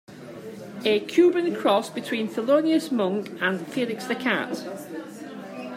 A Cuban cross between Thelonious Monk and Felix the Cat.